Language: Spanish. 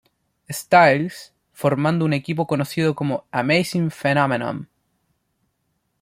Styles, formando un equipo conocido como "Amazing Phenomenon.".